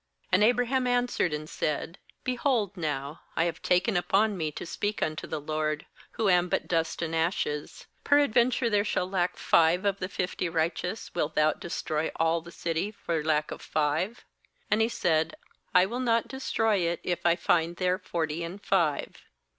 27And Abraham answered and said: 'Behold now, I have taken upon me to speak unto the Lord, who am but dust and ashes. 28Peradventure there shall lack five of the fifty righteous; wilt Thou de stroy all the city for lack of five?' And He said: 'I will not destroy it, if I find there forty and five.'